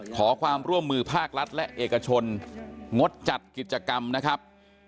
ขอความร่วมมือภาครัฐและเอกชนงดจัดกิจกรรมนะครับ